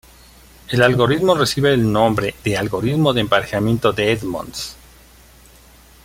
El algoritmo recibe el nombre de Algoritmo de Emparejamiento de Edmonds.